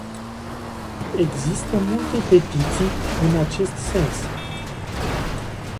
Există multe petiții în acest sens.